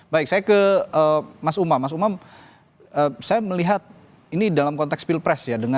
baik saya ke mas umam mas umam saya melihat ini dalam konteks pilpres ya